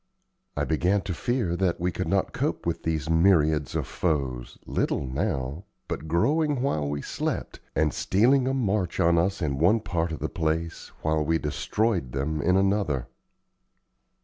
I began to fear that we could not cope with these myriads of foes, little now, but growing while we slept, and stealing a march on us in one part of the place while we destroyed them in another.